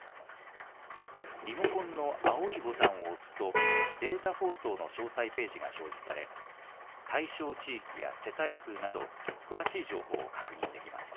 リモコンの青いボタンを押すと、データ放送の詳細ページが表示され、対象地域や世帯数など、詳しい情報を確認できます。